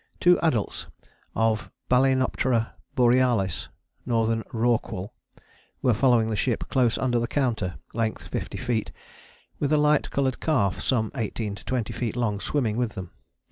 two adults of Balaenoptera borealis (Northern Rorqual) were following the ship close under the counter, length 50 feet, with a light coloured calf some 18 20 feet long swimming with them.